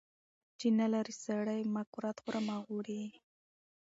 چی نلرې سړي ، مه کورت خوره مه غوړي .